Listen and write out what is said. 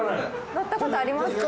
乗ったことありますか？